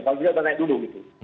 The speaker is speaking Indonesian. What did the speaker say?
tapi kita naik dulu gitu